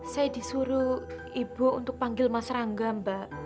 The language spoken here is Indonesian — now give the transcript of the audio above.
saya disuruh ibu untuk panggil mas rangga mbak